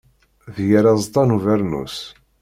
Tger aẓeṭṭa n ubeṛnus.